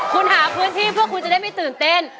คุณหาพื้นที่เพื่อคุณจะได้ไม่ตื่นเต้น